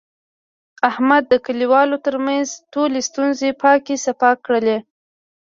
احمد د کلیوالو ترمنځ ټولې ستونزې پاکې صفا کړلې.